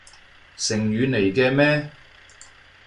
成語嚟嘅咩？